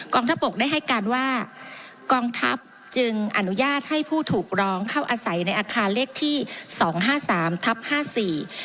ทัพบกได้ให้การว่ากองทัพจึงอนุญาตให้ผู้ถูกร้องเข้าอาศัยในอาคารเลขที่สองห้าสามทับห้าสี่